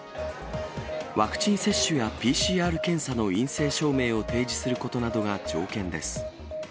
ワクチン接種やＰＣＲ検査の陰性証明を提示することなどが条件です。